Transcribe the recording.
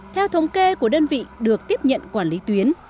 theo thống kê của đơn vị được tiếp nhận quản lý tuyến